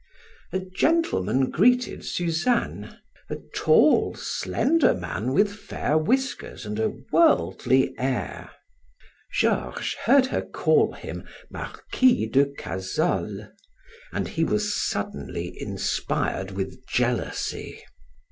A gentleman greeted Suzanne a tall, slender man with fair whiskers and a worldly air. Georges heard her call him Marquis de Cazolles, and he was suddenly inspired with jealousy.